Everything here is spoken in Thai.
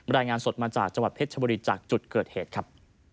รายงานสดมาจากจังหวัดเพชรชบุรีจากจุดเกิดเหตุครับ